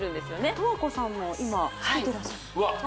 十和子さんも今つけてらっしゃるんですね